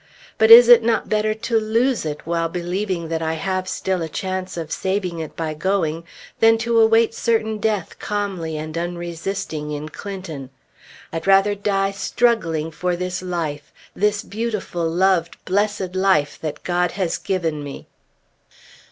But is it not better to lose it while believing that I have still a chance of saving it by going, than to await certain death calmly and unresisting in Clinton? I'd rather die struggling for this life, this beautiful, loved, blessed life that God has given me!